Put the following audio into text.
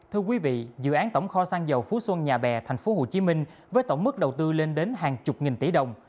thưa quý vị dự án tổng kho xăng dầu phú xuân nhà bè thành phố hồ chí minh với tổng mức đầu tư lên đến hàng chục nghìn tỷ đồng